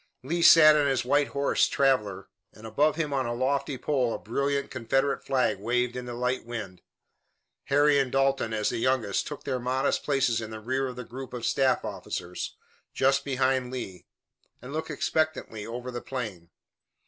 Lee sat on his white horse, Traveler, and above him on a lofty pole a brilliant Confederate flag waved in the light wind. Harry and Dalton, as the youngest, took their modest places in the rear of the group of staff officers, just behind Lee, and looked expectantly over the plain.